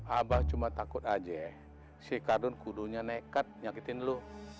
abah cuma takut aja sikardun kudunya nekat nyakitin lo